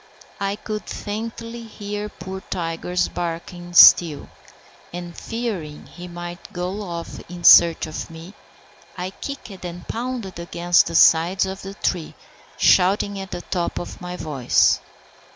I could faintly hear poor Tiger's barking still, and fearing he might go off in search of me, I kicked and pounded against the sides of the tree, shouting at the top of my voice.